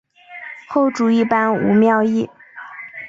后主一般无庙谥。